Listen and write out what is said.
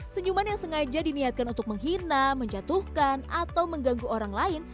senyuman yang sengaja diniatkan untuk menghina menjatuhkan atau mengganggu orang lain